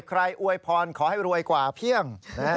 อวยพรขอให้รวยกว่าเพียง